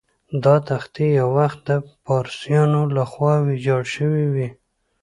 دا تختې یو وخت د پارسیانو له خوا ویجاړ شوې وې.